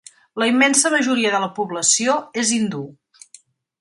La immensa majoria de la població és hindú.